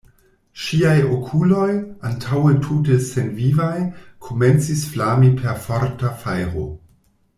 Ŝiaj okuloj, antaŭe tute senvivaj, komencis flami per forta fajro.